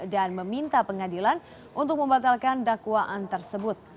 dan meminta pengadilan untuk membatalkan dakwaan tersebut